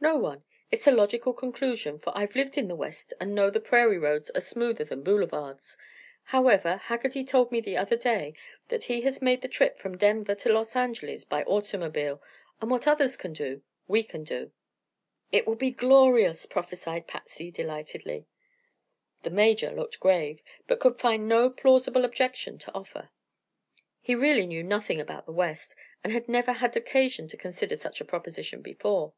"No one. It's a logical conclusion, for I've lived in the West and know the prairie roads are smoother than boulevards. However, Haggerty told me the other day that he has made the trip from Denver to Los Angeles by automobile, and what others can do, we can do." "It will be glorious!" prophesied Patsy, delightedly. The Major looked grave, but could find no plausible objection to offer. He really knew nothing about the West and had never had occasion to consider such a proposition before.